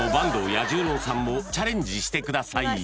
彌十郎さんもチャレンジしてください